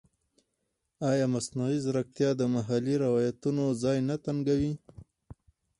ایا مصنوعي ځیرکتیا د محلي روایتونو ځای نه تنګوي؟